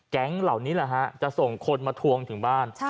แก๊งเหล่านี้แหละฮะจะส่งคนมาทวงถึงบ้าน